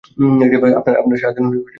আপনারা সারাদিন শুধু ঘুরে বেড়ান।